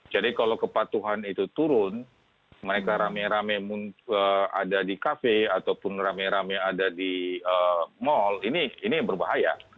jadi kalau kepatuhan itu turun mereka rame rame ada di kafe ataupun rame rame ada di mall ini berbahaya